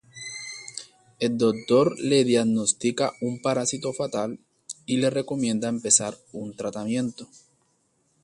El doctor le diagnostica un parásito fatal y le recomienda empezar un tratamiento.